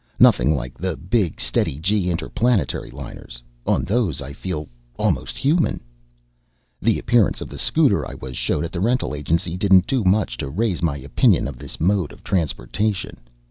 Nothing like the big steady g interplanetary liners. On those I feel almost human. The appearance of the scooter I was shown at the rental agency didn't do much to raise my opinion of this mode of transportation.